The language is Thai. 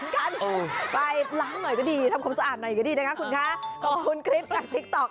กลิ่นดือเป็นเหตุสังเกตได้